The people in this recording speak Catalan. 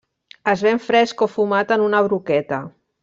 Es ven fresc o fumat en una broqueta.